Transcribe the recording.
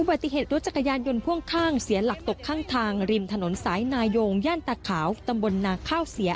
ปฏิเหตุรถจักรยานยนต์พ่วงข้างเสียหลักตกข้างทางริมถนนสายนายงย่านตาขาวตำบลนาข้าวเสีย